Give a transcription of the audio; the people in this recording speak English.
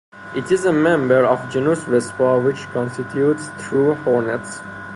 It is a member of genus Vespa which constitutes true hornets.